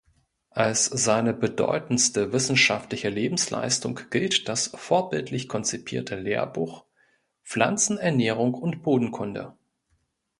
Als seine bedeutendste wissenschaftliche Lebensleistung gilt das vorbildlich konzipierte Lehrbuch ""Pflanzenernährung und Bodenkunde"".